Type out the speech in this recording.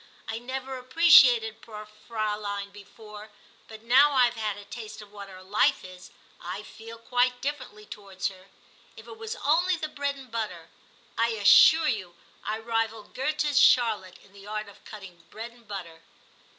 I never appreciated poor Fraulein before ; but now I have had a taste of what her life is, I feel quite differently towards her; if it was only the bread and butter. I assure you, I rival Goethe's Charlotte in the art of cutting bread and butter.'